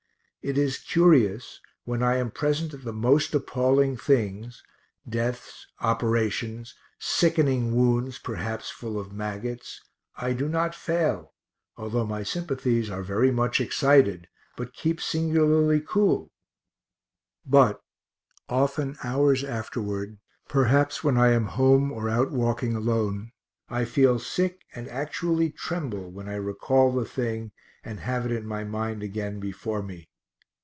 It is curious, when I am present at the most appalling things deaths, operations, sickening wounds (perhaps full of maggots) I do not fail, although my sympathies are very much excited, but keep singularly cool; but often hours afterward, perhaps when I am home or out walking alone, I feel sick and actually tremble when I recall the thing and have it in my mind again before me.